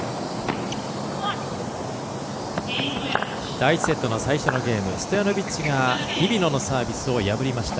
第１セットの最初のゲームストヤノビッチが日比野のサービスを破りました。